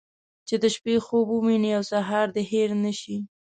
چې د شپې خوب ووينې او سهار دې هېر نه شي.